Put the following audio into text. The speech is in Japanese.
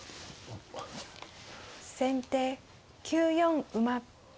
先手９四馬。